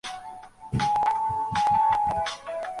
আবার আমার নিত্যকর্ম এবং গোরুবাছুর নিয়ে পড়লুম।